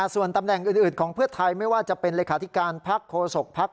ส่วนตำแหน่งอื่นของเพื่อไทยไม่ว่าจะเป็นเลขาธิการพักโคศกภักดิ